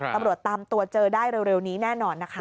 ตำรวจตามตัวเจอได้เร็วนี้แน่นอนนะคะ